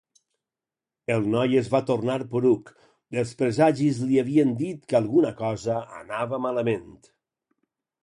El noi es va tornar poruc, els presagis li havien dit que alguna cosa anava malament.